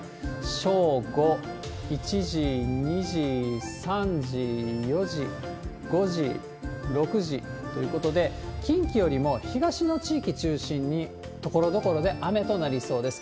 正午、１時、２時、３時、４時、５時、６時ということで、近畿よりも東の地域中心に、ところどころで雨となりそうです。